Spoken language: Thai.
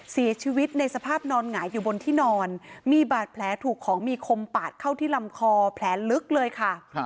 เสียชีวิตในสภาพนอนหงายอยู่บนที่นอนมีบาดแผลถูกของมีคมปาดเข้าที่ลำคอแผลลึกเลยค่ะ